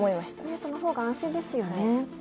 そのほうが安心ですよね。